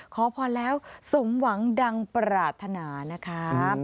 ขอพรแล้วสมหวังดังปรารถนานะครับ